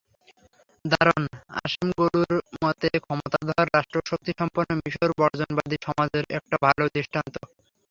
দারন আসেমগলুর মতে, ক্ষমতাধর রাষ্ট্রশক্তিসম্পন্ন মিসর বর্জনবাদী সমাজের একটা ভালো দৃষ্টান্ত।